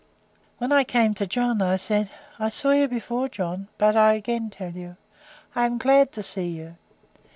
When I came to John, I said, I saw you before, John; but I again tell you, I am glad to see you.